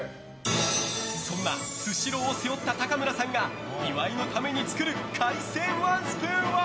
そんなスシローを背負った高村さんが岩井のために作る海鮮ワンスプーンは。